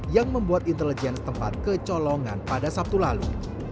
yang membuat intelijen setempat kecolongan pada sabtu lalu